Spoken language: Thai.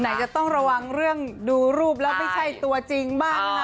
ไหนจะต้องระวังเรื่องดูรูปแล้วไม่ใช่ตัวจริงบ้างนะคะ